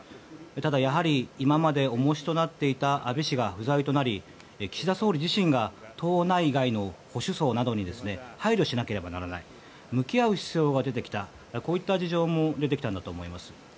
ただやはり、今まで重しとなっていた安倍氏が不在となり、岸田総理自身が党内外の保守層などに配慮しなければならない向き合う必要が出てきたこういった事情も出てきたんだと思います。